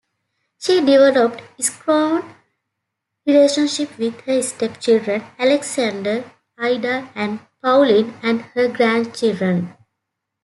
She developed strong relationships with her step-children, Alexander, Ida, and Pauline, and her grandchildren.